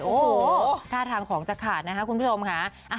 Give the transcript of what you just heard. โอ้โหท่าทางของจะขาดนะคะคุณผู้ชมค่ะ